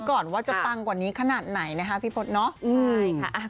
ก่อนว่าจะปังกว่านี้ขนาดไหนนะคะพี่พศเนาะใช่ค่ะ